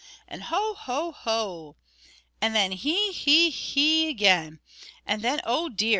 and "Ho! ho! hoo o!" and then "He! he! hee e!" again; and then "Oh dear!"